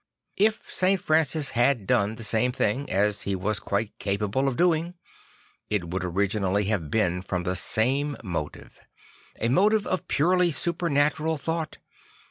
If St. Francis had done the same thing, as he was quite capable of doing, it would originally have been from the same motive; a motive of a purely supernatural thought.